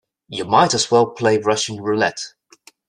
You might as well play Russian roulette.